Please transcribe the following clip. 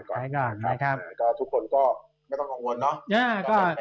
นี่ก็ทุกคนก็ไม่ต้องกังวลเนอะ